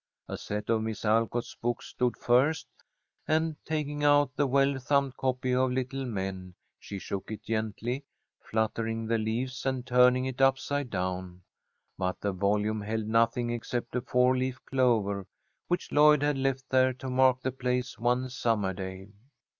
A set of Miss Alcott's books stood first, and, taking out the well thumbed copy of "Little Men," she shook it gently, fluttering the leaves, and turning it upside down. But the volume held nothing except a four leaf clover, which Lloyd had left there to mark the place one summer day.